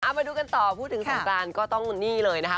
มาดูกันต่อพูดถึงสงกรานก็ต้องนี่เลยนะคะ